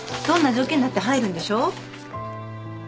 どんな条件だって入るんでしょ？